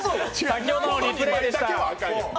先ほどのリプレーでした。